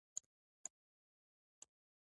هغې خپلې بوټان اغوستې